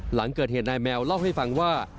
หลังเกิดเหตุนายแมวเล่าให้ฟังว่า